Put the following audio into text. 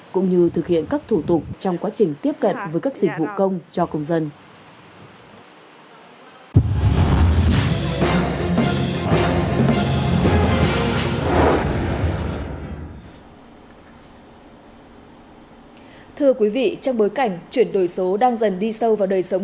cũng như thực hiện các thủ tục trong quá trình tiếp cận với các dịch vụ công cho công dân